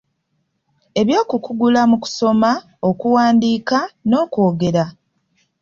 Eby’okukugula mu Okusoma, Okuwandiika , N’okwogera